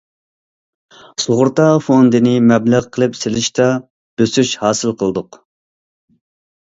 سۇغۇرتا فوندىنى مەبلەغ قىلىپ سېلىشتا بۆسۈش ھاسىل قىلدۇق.